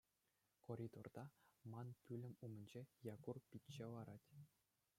Коридорта, ман пӳлӗм умӗнче, Якур пичче ларать.